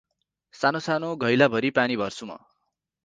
सानो–सानो घैलाभरि पानी भर्छु म ।